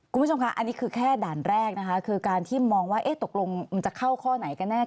คุณผู้ชมค่ะอันนี้คือแค่ด่านแรกนะคะคือการที่มองว่าตกลงมันจะเข้าข้อไหนกันแน่